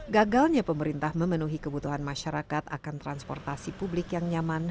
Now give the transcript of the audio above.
gagalnya pemerintah memenuhi kebutuhan masyarakat akan transportasi publik yang nyaman